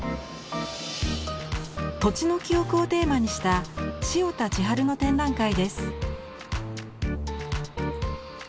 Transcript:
「土地の記憶」をテーマにした塩田千春の展覧会です。